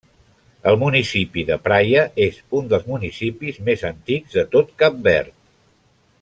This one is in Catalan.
El Municipi de Praia és un dels municipis més antics de tot Cap Verd.